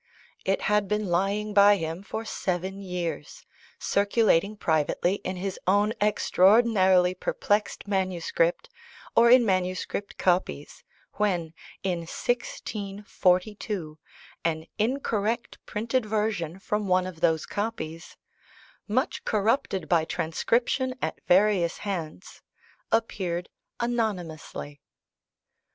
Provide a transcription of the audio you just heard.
It had been lying by him for seven years, circulating privately in his own extraordinarily perplexed manuscript, or in manuscript copies, when, in 1642, an incorrect printed version from one of those copies, "much corrupted by transcription at various hands," appeared anonymously.